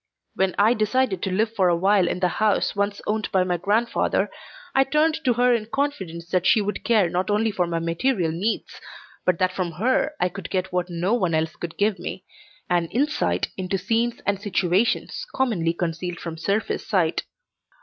When I decided to live for a while in the house once owned by my grandfather, I turned to her in confidence that she would care not only for my material needs, but that from her I could get what no one else could give me an insight into scenes and situations commonly concealed from surface sight.